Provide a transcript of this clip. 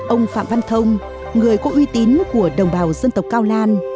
ông phạm văn thông người có uy tín của đồng bào dân tộc cao lan